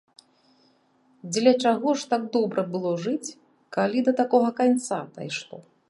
Дзеля чаго ж так добра было жыць, калі да такога канца дайшло?